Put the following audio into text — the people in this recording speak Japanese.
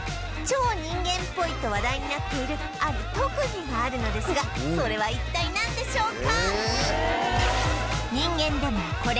超人間っぽいと話題になっているある特技があるのですがそれは一体なんでしょうか？